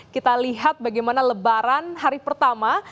kita lihat bagaimana lebaran hari pertama